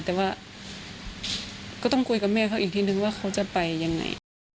แต่ว่าก็ต้องคุยกับแม่เขาอีกทีนึงว่าเขาจะไปยังไง